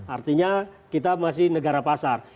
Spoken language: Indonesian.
artinya kita masih negara pasar